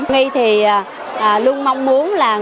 nghi thì luôn mong muốn là